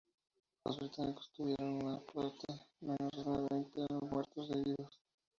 Los británicos tuvieron por su parte menos de una veintena de muertos o heridos.